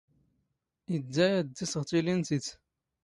ⵉⴷⴷⴰ ⴰⴷ ⴷ ⵉⵙⵖ ⵜⵉⵍⵉⵏⵜⵉⵜ.